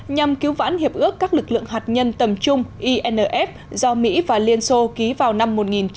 nhằm cứu vãn hiệp ước các lực lượng hạt nhân tầm trung inf do mỹ và liên xô ký vào năm một nghìn chín trăm tám mươi